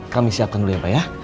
kami siapkan dulu ya pak ya